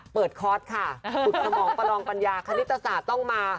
คอร์สค่ะขุดสมองประลองปัญญาคณิตศาสตร์ต้องมา